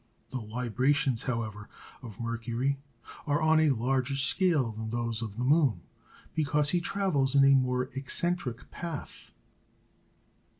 The "librations," however, of Mercury are on a larger scale than those of the moon, because he travels in a more eccentric path.